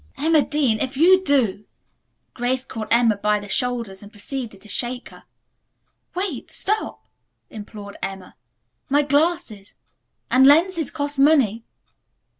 "Emma Dean, if you do!" Grace caught Emma by the shoulders and proceeded to shake her. "Wait! Stop!" implored Emma. "My glasses! And lenses cost money!"